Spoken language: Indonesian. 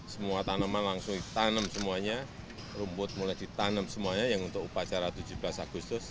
semua tanaman langsung ditanam semuanya rumput mulai ditanam semuanya yang untuk upacara tujuh belas agustus